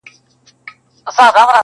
چي پرون مي د نيکونو وو، نن زما دی؛؛!